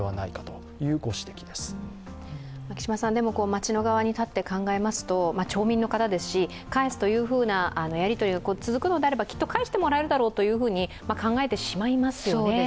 町の側に立って考えますと町民の方ですし、返すというふうなやりとりが続くのであればきっと返してもらえるだろうと考えてしまいますよね。